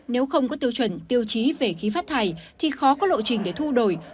nếu không có tiêu chuẩn tiêu chí về khí phát thải thì khó có lộ trình để thu đổi